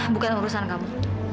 bukan urusan kamu